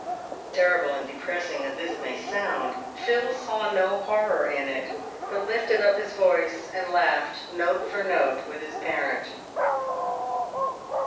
Terrible and depressing as this may sound, Phil saw no horror in it, but lifted up his voice and laughed note for note with his parent.